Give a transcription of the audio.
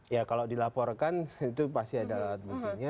ya kalau dilaporkan itu pasti ada alat buktinya